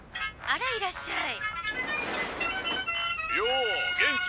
「あらいらっしゃい」。